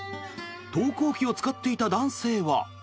投光器を使っていた男性は。